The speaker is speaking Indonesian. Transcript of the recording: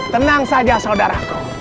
tenang saja saudaraku